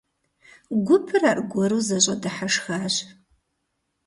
Гупыр аргуэру зэщӀэдыхьэшхащ.